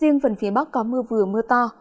riêng phần phía bắc có mưa vừa mưa to